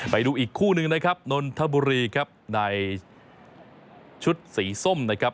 ไปดูอีกคู่หนึ่งนะครับนนทบุรีครับในชุดสีส้มนะครับ